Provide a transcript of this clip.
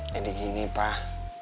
jadi gini pak